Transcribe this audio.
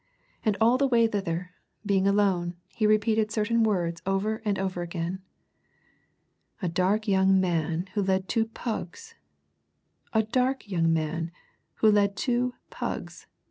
And all the way thither, being alone, he repeated certain words over and over again. "A dark young man who led two pugs a dark young man who led two pugs!